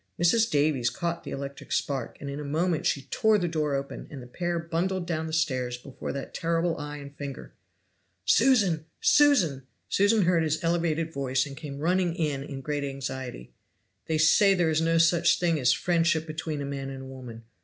Mrs. Davies caught the electric spark, in a moment she tore the door open, and the pair bundled down the stairs before that terrible eye and finger. "Susan Susan!" Susan heard his elevated voice, and came running in in great anxiety. "They say there is no such thing as friendship between a man and a woman.